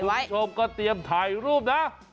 คุณผู้ชมก็เตรียมถ่ายรูปนะ